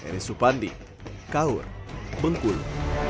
r s upandi kaur bengkulu